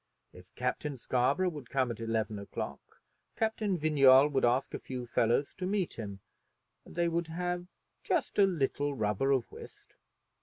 If Captain Scarborough would come at eleven o'clock Captain Vignolles would ask a few fellows to meet him, and they would have just a little rubber of whist.